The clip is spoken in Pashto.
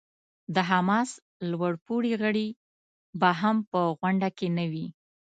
د حماس لوړ پوړي غړي به هم په غونډه کې نه وي.